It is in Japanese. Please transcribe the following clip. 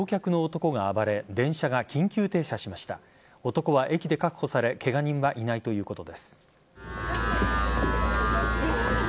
男は駅で確保されケガ人はいないということです。